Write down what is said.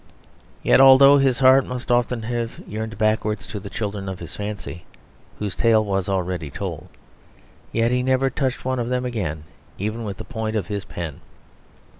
Yet although his heart must often have yearned backwards to the children of his fancy whose tale was already told, yet he never touched one of them again even with the point of his pen.